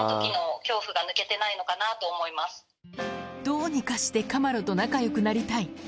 どうにかしてカマロと仲良くなりたい！